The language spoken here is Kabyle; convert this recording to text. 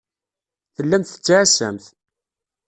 Tellamt tettɛassamt.